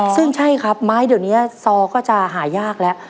ซึ่งใช่ครับไม้เดี๋ยวนี้ซอก็จะหายากแล้ว